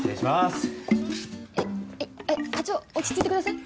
はいはい課長落ち着いてください。